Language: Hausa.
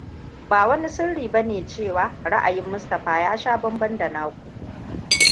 Ba wani sirri bane cewa ra'ayin Mustapha ya sha bamban da naku.